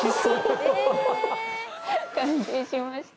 完成しました。